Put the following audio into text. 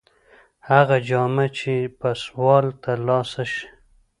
هغه جامه چې په سوال تر لاسه شي.